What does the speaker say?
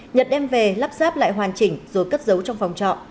nhật đem về lắp ráp lại hoàn chỉnh rồi cất giấu trong phòng trọ